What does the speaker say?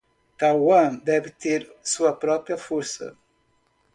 Taiwan deve ter sua própria força